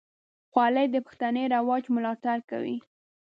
خولۍ د پښتني رواج ملاتړ کوي.